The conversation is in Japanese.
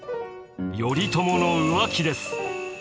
頼朝の浮気です。